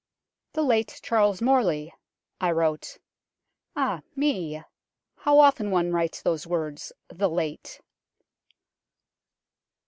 " The late Charles Morley," I wrote ah, me ! how often one writes those words, " the late."